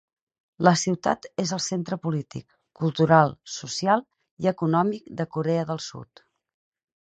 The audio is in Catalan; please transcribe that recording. La ciutat és el centre polític, cultural, social i econòmic de Corea del Sud.